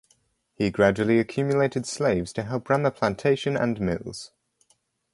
He gradually accumulated slaves to help run the plantation and mills.